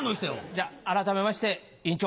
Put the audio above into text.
じゃあ改めまして委員長！